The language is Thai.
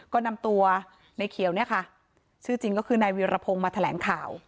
ก็นำตัวในเขียวชื่อจริงก็คือนายวิรพงศ์มาแถลงข่าว